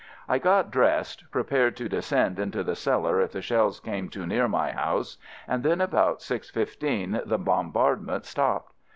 I got dressed — prepared to descend into the cellar if the shells came too near my house, and then about six fifteen the bombardment stopped.